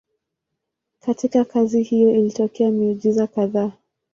Katika kazi hiyo ilitokea miujiza kadhaa.